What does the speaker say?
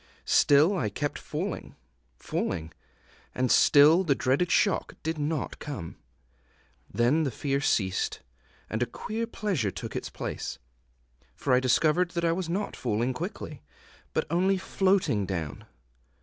Still I kept falling, falling, and still the dreaded shock did not come. Then the fear ceased, and a queer pleasure took its place; for I discovered that I was not falling quickly, but only floating down.